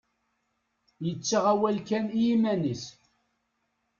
Yettaɣ awal kan i yiman-is.